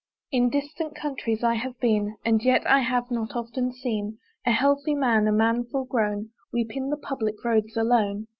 In distant countries I have been, And yet I have not often seen A healthy man, a man full grown Weep in the public roads alone.